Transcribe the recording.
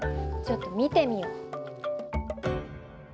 ちょっと見てみよう。